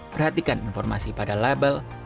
perhatikan informasi pada label